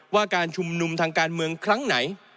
ว่าการชุมนุมทางการเมืองครั้งไหน